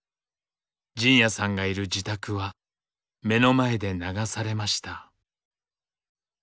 仁也さんがいる自宅は目の前で流されました。